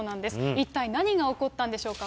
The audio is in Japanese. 一体何が起こったんでしょうか。